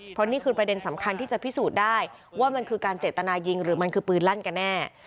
เพราะนี่คือประเด็นสำคัญที่จะพิสูจน์ได้ว่ามันคือการเจตนายิงหรือมันคือปืนลั่นกันแน่